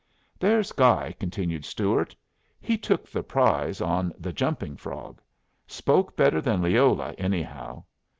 "There's Guy," continued Stuart. "He took the prize on 'The Jumping Frog.' Spoke better than Leola, anyhow.